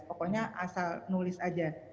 pokoknya asal nulis aja